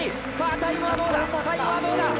タイムはどうだ。